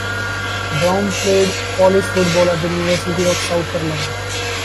Brown played college football at the University of South Carolina.